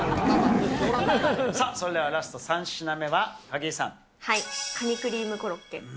さあ、それではラスト３品目カニクリームコロッケ。